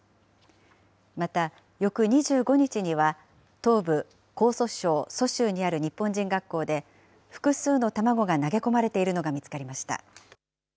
また、翌２５日には、東部江蘇省蘇州にある日本人学校で、複数の卵が投げ込まれているのが見つかりました。